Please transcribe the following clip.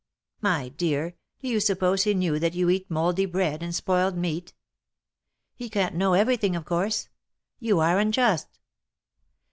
My dear, do you suppose he knew that you eat mouldy bread and spoiled meat? He can^t know everything, of course. You are unjust."